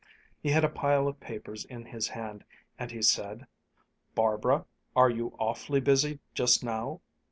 He had a pile of papers in his hand and he said, "Barbara, are you awfully busy just now?"